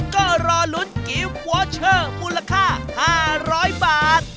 ก็รอลุ้นกิฟต์วอเชอร์มูลค่า๕๐๐บาท